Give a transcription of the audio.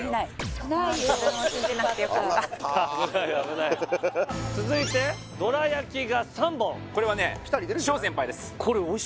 危なかった危ない危ない続いてどら焼が３本これはね翔先輩です